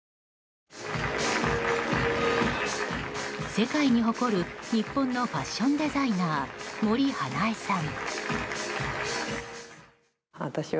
世界に誇る日本のファッションデザイナー森英恵さん。